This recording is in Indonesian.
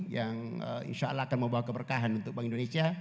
yang insya allah akan membawa keberkahan untuk bank indonesia